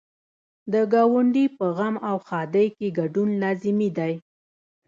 د ګاونډي په غم او ښادۍ کې ګډون لازمي دی.